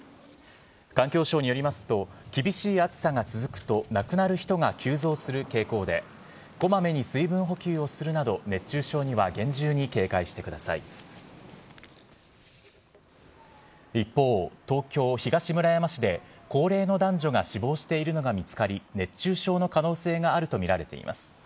環境省によりますと、厳しい暑さが続くと亡くなる人が急増する傾向で、こまめに水分補給をするなど、熱中症には厳重に警戒してください一方、東京・東村山市で高齢の男女が死亡しているのが見つかり、熱中症の可能性があると見られています。